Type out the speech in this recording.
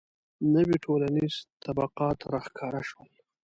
• نوي ټولنیز طبقات راښکاره شول.